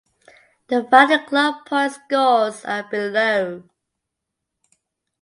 The final club point scores are below.